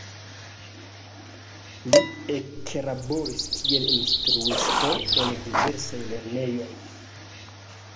Li eklaboris kiel instruisto en diversaj lernejoj.